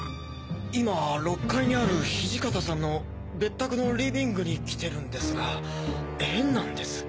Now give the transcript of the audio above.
今６階にある土方さんの別宅のリビングに来てるんですが変なんです。